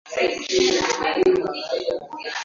rais benali atafutwa kwa udi na uvuma na serikali ya tunisia